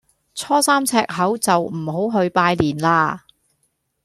初三赤口就唔好去拜年啦